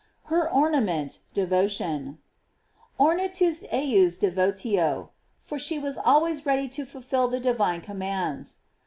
Her orna ment, devotion: "Ornatus ejus devotio," for she was always ready to fulfil the divine commands.